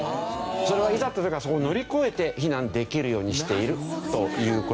それはいざっていう時はそこを乗り越えて避難できるようにしているという事ですし。